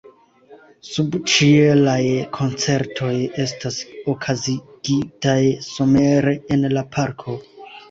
Subĉielaj koncertoj estas okazigitaj somere en la parko.